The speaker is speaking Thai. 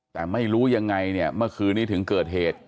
แต่ไม่รู้ยังไงเนี่ยเมื่อคืนนี้ถึงเกิดเหตุ